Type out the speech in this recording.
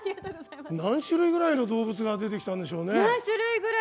何種類ぐらいの動物が出てきたんでしょうね。